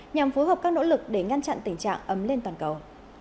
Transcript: nhằm phối hợp các nỗ lực để ngăn chặn tình trạng ấm lên toàn cầu